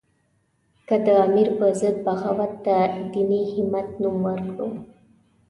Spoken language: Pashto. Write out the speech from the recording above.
که د امیر په ضد بغاوت ته دیني حمیت نوم ورکړو.